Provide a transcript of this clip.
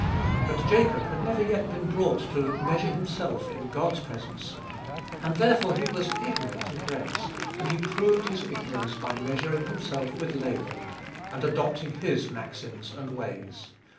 But Jacob had never yet been brought to measure himself in God's presence, and therefore he was ignorant of grace, and he proved his ignorance by measuring himself with Laban, and adopting his maxims and ways.